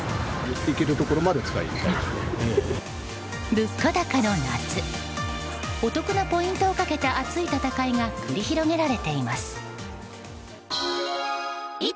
物価高の夏お得なポイントをかけた熱い戦いが繰り広げられています。